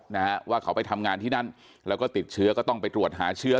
นะฮะว่าเขาไปทำงานที่นั่นแล้วก็ติดเชื้อก็ต้องไปตรวจหาเชื้อ